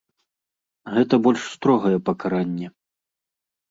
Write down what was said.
Гэта больш строгае пакаранне.